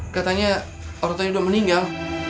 katanya orang tuanya udah meninggal